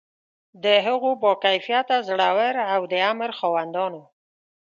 د هغو با کفایته، زړه ور او د امر خاوندانو.